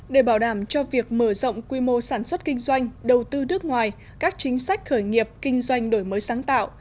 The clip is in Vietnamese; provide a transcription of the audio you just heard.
để bảo đảm cho việc mở rộng quy mô sản xuất kinh doanh đầu tư nước ngoài các chính sách khởi nghiệp kinh doanh đổi mới sáng tạo